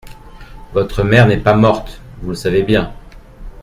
Votre mère n'est pas morte, vous le savez bien.